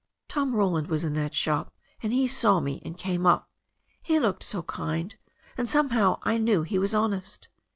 "Tom Roland was in that shop, and he saw me and came up. He looked so kind — and somehow I knew he was hon est.